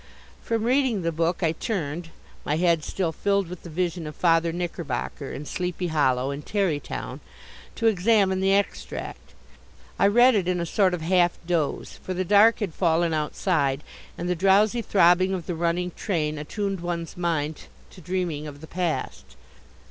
From reading the book I turned my head still filled with the vision of Father Knickerbocker and Sleepy Hollow and Tarrytown to examine the extract. I read it in a sort of half doze, for the dark had fallen outside, and the drowsy throbbing of the running train attuned one's mind to dreaming of the past.